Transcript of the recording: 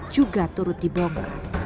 juga turut diperhatikan